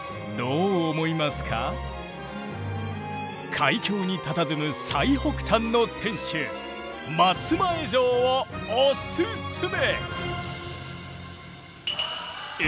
海峡にたたずむ最北端の天守松前城をオススメ！